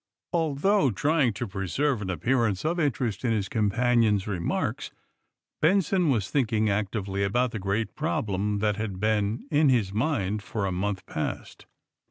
Although trying to preserve an appearance, of interest in his companion's remarks, Benson was thinking actively about the great problem that had been in his mind for a month past.